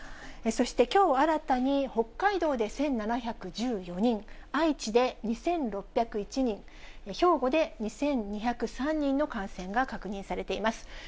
そしてきょう新たに、北海道で１７１４人、愛知で２６０１人、兵庫で２２０３人の感染が確認されています。